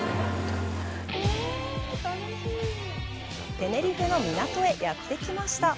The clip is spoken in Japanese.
テネリフェの港へやってきました。